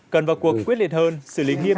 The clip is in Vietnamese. cần vào cuộc quyết liệt hơn xử lý nghiêm